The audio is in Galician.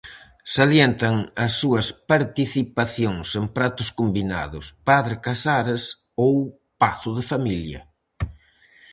Salientan as súas participacións en Pratos Combinados, Padre Casares ou Pazo de familia.